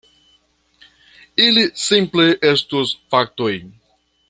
Ili simple estus faktoj.